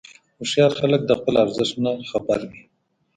هوښیار خلک د خپل ارزښت نه خبر وي.